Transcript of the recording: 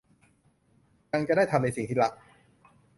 ยังจะได้ทำในสิ่งที่รัก